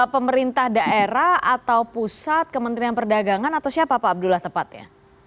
pemerintah daerah atau pusat kementerian perdagangan atau siapa pak abdullah tepatnya